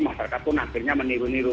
masyarakat pun akhirnya meniru niru